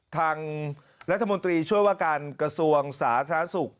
ทางรัฐมนตรีช่วยว่าการกระทรวงสาธารณสุข